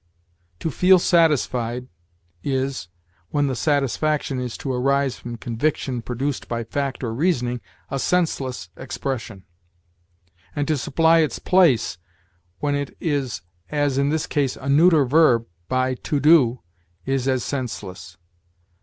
To feel satisfied is when the satisfaction is to arise from conviction produced by fact or reasoning a senseless expression; and to supply its place, when it is, as in this case, a neuter verb, by to do, is as senseless.